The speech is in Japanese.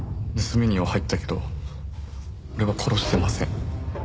盗みには入ったけど俺は殺してません。